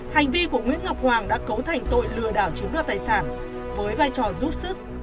hành vi của nguyễn ngọc hoàng đã cấu thành tội lừa đảo chiếm đoạt tài sản với vai trò giúp sức